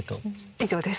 以上です。